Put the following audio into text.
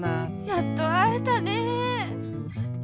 やっとあえたね。